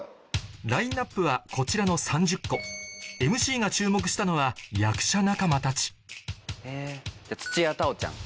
ラインナップはこちらの３０個ＭＣが注目したのは役者仲間たちえじゃあ土屋太鳳ちゃん。